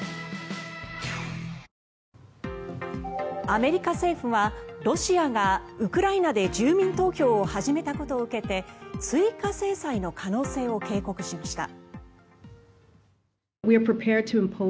アメリカ政府はロシアがウクライナで住民投票を始めたことを受けて追加制裁の可能性を警告しました。